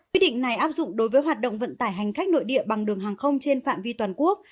quyết định này áp dụng đối với hoạt động vận tải hành khách nội địa bằng đường hàng không trên phạm vi toàn quốc